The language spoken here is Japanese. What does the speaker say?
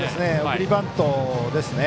送りバントですね。